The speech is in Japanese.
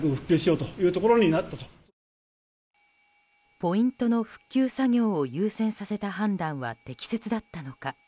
ポイントの復旧作業を優先させた判断は適切だったのか。